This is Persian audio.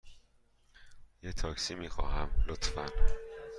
یه تاکسی می خواهم، لطفاً.